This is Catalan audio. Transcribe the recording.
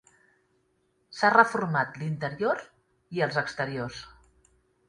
S'ha reformat l'interior i els exteriors.